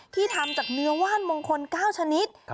ทำจากเนื้อว่านมงคล๙ชนิด